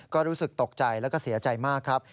ก็รู้สึกตกใจแล้วก็เสียใจมากครับ